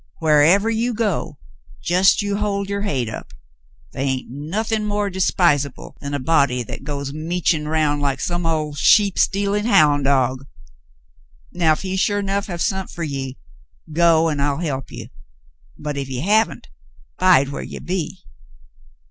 Wharevah you go, just you hold your hade up. The' hain't nothin' more despisable than a body 'at goes meachin' around like some old sheep stealin' houn' dog. Now if he sure 'nough have sont fer ye, go, an' I'll help ye, but if he haven't, bide whar ye be."